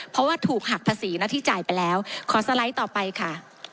เพราะว่าถูกหักภาษีหน้าที่จ่ายไปแล้วขอสไลด์ต่อไปค่ะ